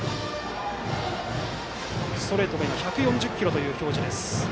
ストレートが１４０キロという表示です。